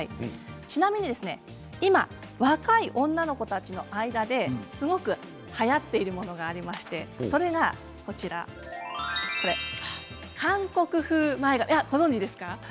ちなみに今若い女の子たちの間ですごくはやっているものがありまして韓国風前髪、ご存じですか？